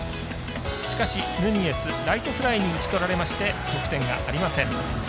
しかし、ヌニエスライトフライに打ち取られまして得点がありません。